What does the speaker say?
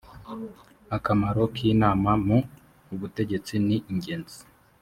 akamaro k inama mu ubutegetsi ningenzi